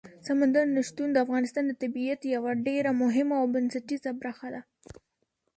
سمندر نه شتون د افغانستان د طبیعت یوه ډېره مهمه او بنسټیزه برخه ده.